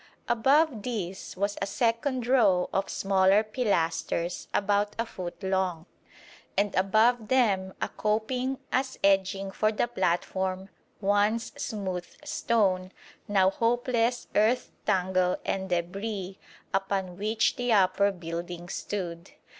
Above these was a second row of smaller pilasters about a foot long, and above them a coping as edging for the platform, once smooth stone, now hopeless earth tangle and débris, upon which the upper building stood.